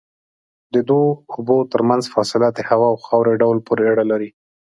د دوو اوبو ترمنځ فاصله د هوا او خاورې ډول پورې اړه لري.